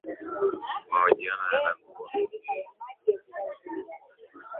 mahojiano yanatakiwa kuwa na ufanisi wa kutosha